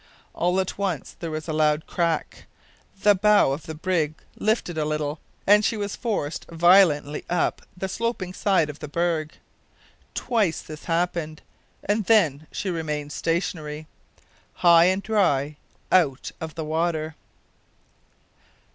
All at once there was a loud crack, the bow of the brig lifted a little, and she was forced violently up the sloping side of the berg. Twice this happened, and then she remained stationary high and dry out of the water!